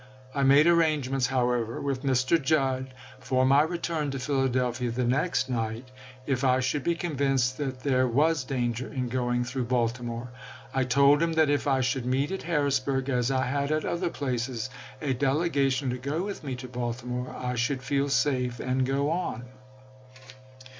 " I made arrangements, however, with Mr. Judd for my return to Philadelphia the next night, if I should be convinced that there was danger in going through Baltimore. I told him that if I should meet at Harrisburg, as I had at other places, a ^cSff' delegation to go with me to Baltimore, I should T.?p'.'28o.L feel safe, and go on."